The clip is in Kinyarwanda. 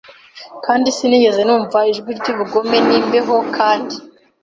kandi sinigeze numva ijwi ry'ubugome, n'imbeho, kandi